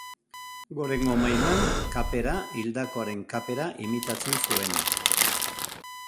Gorengo mailan, kapera, hildakoaren kapera imitatzen zuena.